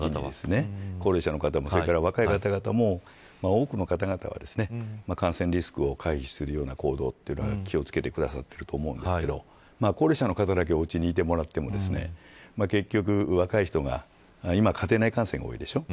高齢者の方も若い方々も多くの方々は、感染リスクを回避するような行動というのは気を付けてくださっていると思うんですけど高齢者の方だけをおうちにいてもらっても結局、若い人が今家庭内感染が多いでしょう。